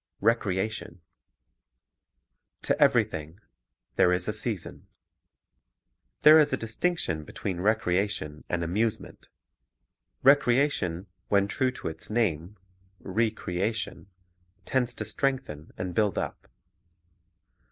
Recreation "to everything there is A SEASON" 'TWERE is a distinction between recreation and * amusement. Recreation, when true to its name, re creation, tends to strengthen and build up.